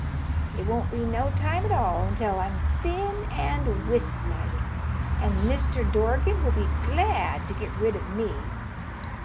It won't be no time at all until I'm thin and wisp like, an' Mr. Dorgan will be glad to get rid of me."